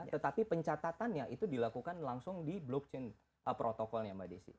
tetapi pencatatannya itu dilakukan langsung di blockchain protokolnya mbak desi